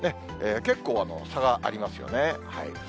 結構、差がありますよね。